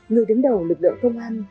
người đứng đầu lực lượng công an